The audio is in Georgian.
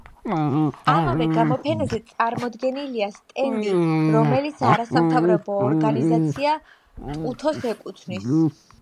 ამავე გამოფენაზე წარმოდგენილია სტენდი, რომელიც არასამთავრობო ორგანიზაცია „ტუთოს“ ეკუთვნის.